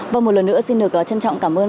vâng một lần nữa xin được trân trọng cảm ơn